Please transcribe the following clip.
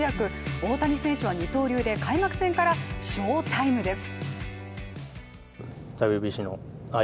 大谷選手は二刀流で開幕戦から翔タイムです。